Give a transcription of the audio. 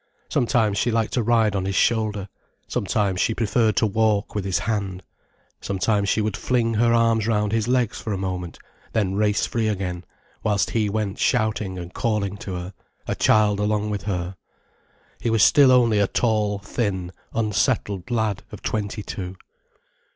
Sometimes she liked to ride on his shoulder, sometimes she preferred to walk with his hand, sometimes she would fling her arms round his legs for a moment, then race free again, whilst he went shouting and calling to her, a child along with her. He was still only a tall, thin, unsettled lad of twenty two.